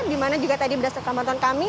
di mana juga tadi berdasarkan penonton kami